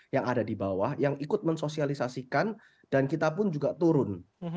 yang ada di bawah yang ikut mensosialisasikan dan kita pun juga turun